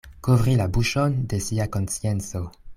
Kovri la buŝon de sia konscienco.